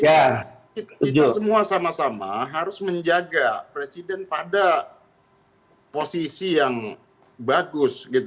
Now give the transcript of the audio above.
kita semua sama sama harus menjaga presiden pada posisi yang bagus